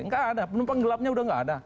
enggak ada penumpang gelapnya sudah enggak ada